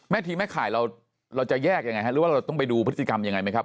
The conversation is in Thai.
ทีแม่ข่ายเราจะแยกยังไงฮะหรือว่าเราต้องไปดูพฤติกรรมยังไงไหมครับ